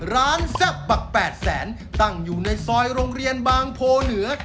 แซ่บปักแปดแสนตั้งอยู่ในซอยโรงเรียนบางโพเหนือ